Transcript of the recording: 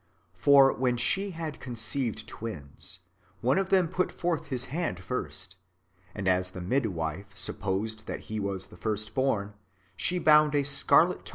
^ For when she had conceived twins, one of them put forth his hand first ; and as the midwife sup posed that he was the first born, she bound a scarlet token 1 Matt.